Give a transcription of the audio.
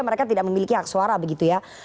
mereka tidak memiliki hak suara begitu ya